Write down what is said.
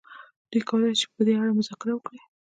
دوی کولای شي په دې اړه مذاکره وکړي.